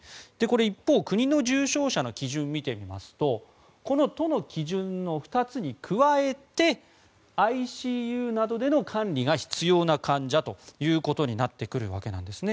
一方、国の重症者の基準を見てみますとこの都の基準の２つに加えてＩＣＵなどでの管理が必要な患者ということになってくるわけなんですね。